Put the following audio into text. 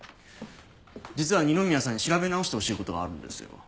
実は二宮さんに調べ直してほしいことがあるんですよ。